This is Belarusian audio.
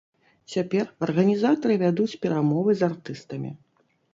Цяпер арганізатары вядуць перамовы з артыстамі.